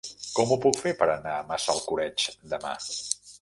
Com ho puc fer per anar a Massalcoreig demà?